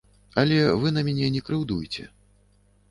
Але вы на мяне не крыўдуйце.